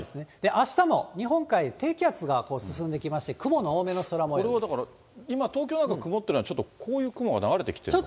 あしたも日本海、低気圧が進んできまして、これはだから、今、東京なんか曇ってるのは、こういう雲が流れてきてるのかな。